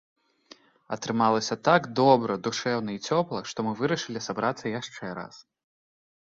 Атрымалася так добра, душэўна і цёпла, што мы вырашылі сабрацца яшчэ раз.